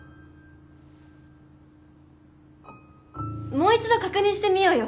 もう一度確認してみようよ。